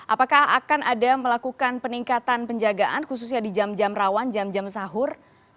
apakah akan ada melakukan peningkatan penjagaan khususnya di jam jam rawan jam jam sahur